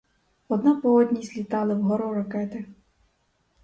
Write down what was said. Одна по одній злітали вгору ракети.